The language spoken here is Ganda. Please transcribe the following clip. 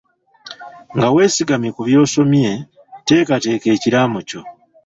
Nga weesigamye ku byosomye teekateeka ekiraamo kyo.